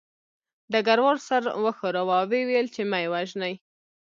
ډګروال سر وښوراوه او ویې ویل چې مه یې وژنئ